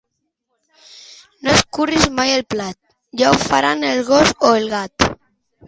No escuris mai el plat: ja ho faran el gos o el gat.